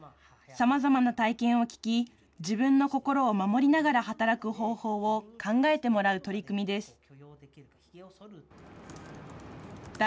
さまざまな体験を聞き、自分の心を守りながら働く方法を考えてもらう取り組みです。